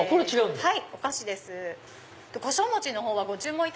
はい。